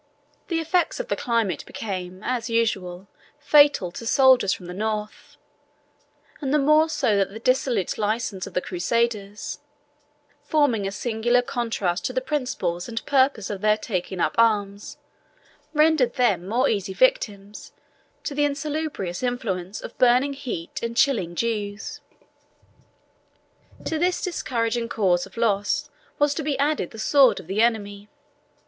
The effects of the climate became, as usual, fatal to soldiers from the north, and the more so that the dissolute license of the Crusaders, forming a singular contrast to the principles and purpose of their taking up arms, rendered them more easy victims to the insalubrious influence of burning heat and chilling dews. To these discouraging causes of loss was to be added the sword of the enemy.